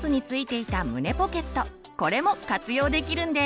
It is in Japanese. これも活用できるんです。